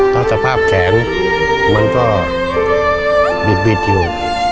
ก็สภาพแขนมันก็บิดอยู่